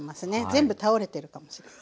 全部倒れてるかもしれない。